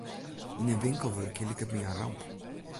Yn in winkel wurkje liket my in ramp.